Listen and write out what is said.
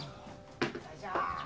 よいしょ。